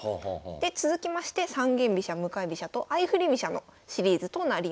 で続きまして三間飛車向かい飛車と相振り飛車のシリーズとなりました。